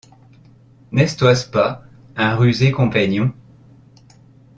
N’estoyt-ce pas un rusé compaignon?